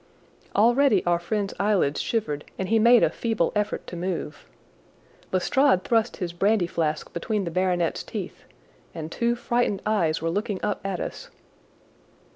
Already our friend's eyelids shivered and he made a feeble effort to move. Lestrade thrust his brandy flask between the baronet's teeth, and two frightened eyes were looking up at us.